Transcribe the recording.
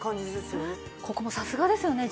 ここもさすがですよね